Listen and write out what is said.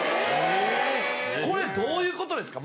・え・これどういうことですか。